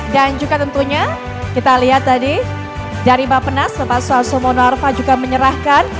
dan juga tentunya kita lihat tadi dari bapak nas bapak soeasomo norfa juga menyerahkan